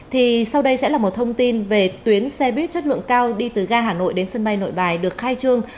thì sau đây sẽ là một thông tin về tuyến xe buýt chất lượng cao đi từ ga hà nội đến sân bay nội bài được khai trương